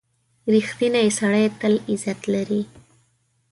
• رښتینی سړی تل عزت لري.